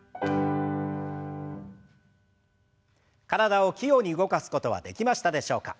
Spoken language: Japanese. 体を器用に動かすことはできましたでしょうか。